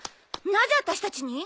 なぜ私たちに？